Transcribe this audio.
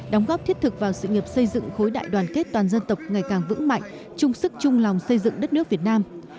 đóng góp thiết thực vào sự nghiệp xây dựng khối đại đoàn kết toàn dân tộc ngày càng vững mạnh chung sức chung lòng xây dựng đất nước việt nam